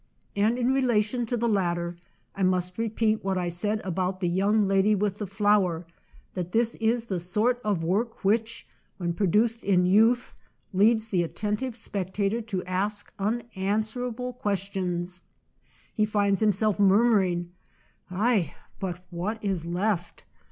And in relation to the latter I must repeat what I said about the young lady with the flower, that this is the sort of work which, when produced in youth, leads the attentive spectator to ask un answerable questions. He finds himself murmuring, "Ay, but what is left?"